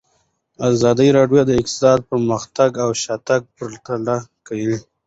ازادي راډیو د اقتصاد پرمختګ او شاتګ پرتله کړی.